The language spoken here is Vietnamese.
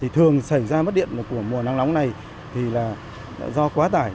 thường xảy ra mất điện của mùa nắng nóng này thì là do quá tải